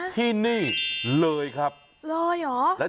ที่นี่เลยครับเลยเหรอ